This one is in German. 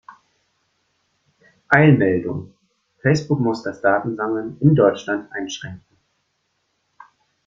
Eilmeldung! Facebook muss das Datensammeln in Deutschland einschränken.